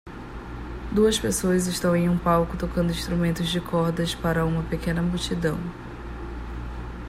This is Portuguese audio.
Duas pessoas estão em um palco tocando instrumentos de cordas para uma pequena multidão